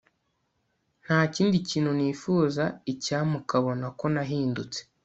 ntakindi kintu nifuza icyampa ukabona ko nahindutse